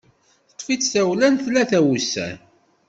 Teṭṭef-itt tawla n tlata n wussan.